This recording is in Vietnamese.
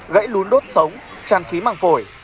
gãy lún đốt sống tràn khí màng phổi